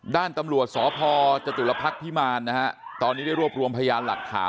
ด้านตำรวจสพจตุลพักษ์พิมารนะฮะตอนนี้ได้รวบรวมพยานหลักฐาน